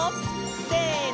せの！